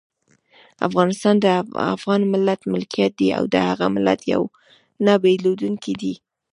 افغانستان د افغان ملت ملکیت دی او دغه ملت یو او نه بېلیدونکی دی.